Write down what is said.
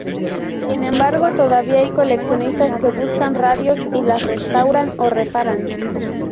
Sin embargo, todavía hay coleccionistas que buscan radios y las restauran o reparan.